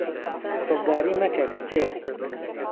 دڵداری مەکە کچێ